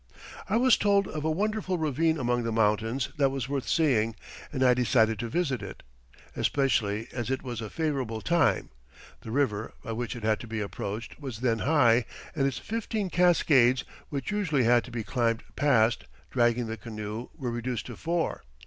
"I was told of a wonderful ravine among the mountains that was worth seeing and I decided to visit it, especially as it was a favourable time; the river, by which it had to be approached, was then high, and its fifteen cascades, which usually had to be climbed past, dragging the canoe, were reduced to four.